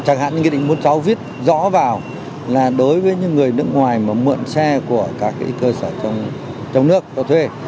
chẳng hạn như quy định muốn cháu viết rõ vào là đối với những người nước ngoài mà mượn xe của các cơ sở trong nước có thuê